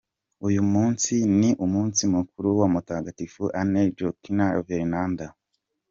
Uyu munsi ni umunsi mukuru wa Mutagatifu Anne, Joachim na Veneranda.